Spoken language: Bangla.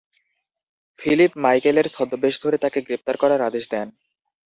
ফিলিপ মাইকেলের ছদ্মবেশ ধরে তাকে গ্রেপ্তার করার আদেশ দেন।